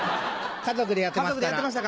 家族でやってましたか。